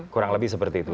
kurang lebih seperti itu